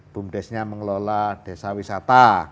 bumdes nya mengelola desa wisata